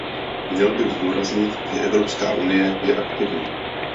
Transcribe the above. Měl bych zdůraznit, že Evropská unie je aktivní.